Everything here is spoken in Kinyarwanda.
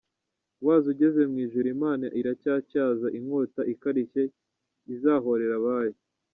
Wazo ugeze mwijuru Imana iracyatyaza inkota ikarishye izahorera abayo